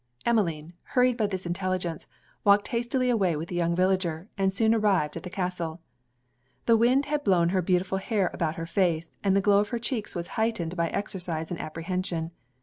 Emmeline, hurried by this intelligence, walked hastily away with the young villager, and soon arrived at the castle. The wind had blown her beautiful hair about her face, and the glow of her cheeks was heightened by exercise and apprehension.